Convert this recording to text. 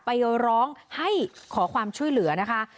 ไปร้องให้ขอความช่วยเหลือนะคะ